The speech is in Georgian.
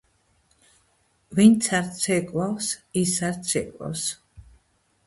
ვინც არ ცეკვავს ის არ ცეკვავს